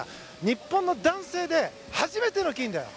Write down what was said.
日本の男性で初めての金だよ。